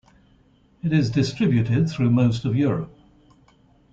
It is distributed through most of Europe.